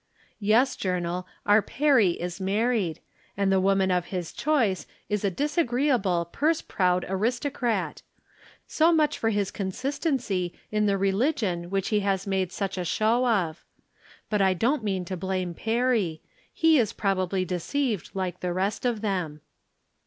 Yes, Journal, our Perry is married, and the . woman of his choice is a disagreeable purse proud aristocrat ! So much for his consistency in the religion which he has made such a show of. But I don't mean to blame Perry; he is probably deceived, like the rest of them.